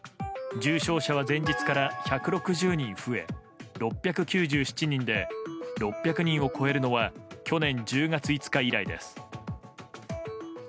重症者は前日から１６０人増え６９７人で６００人を超えるのは去年１０月５日以来です。